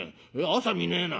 朝見ねえな